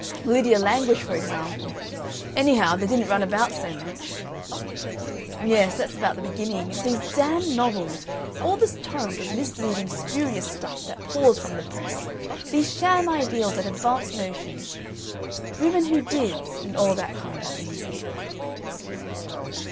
"Lydia Languish, for example. Anyhow, they didn't run about so much." "Yes. That's about the beginning. It's these damned novels. All this torrent of misleading, spurious stuff that pours from the press. These sham ideals and advanced notions. Women who Dids, and all that kind of thing...."